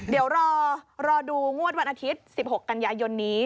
เดี๋ยวรอดูงวดวันอาทิตย์๑๖กันยายนนี้